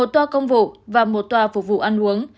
một tòa công vụ và một tòa phục vụ ăn uống